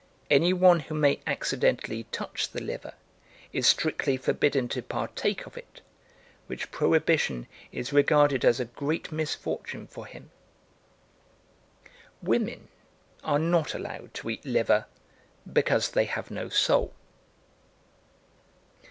Any one who may accidentally touch the liver is strictly forbidden to partake of it, which prohibition is regarded as a great misfortune for him." Women are not allowed to eat liver, because they have no soul.